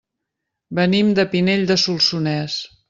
Venim de Pinell de Solsonès.